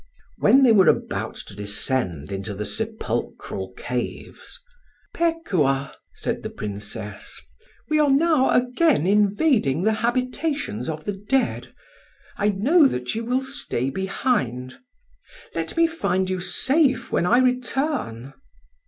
When they were about to descend into the sepulchral caves, "Pekuah," said the Princess, "we are now again invading the habitations of the dead; I know that you will stay behind. Let me find you safe when I return."